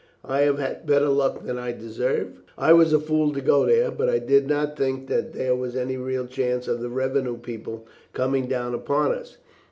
I have had better luck than I deserved. I was a fool to go there, but I did not think that there was any real chance of the revenue people coming down upon us.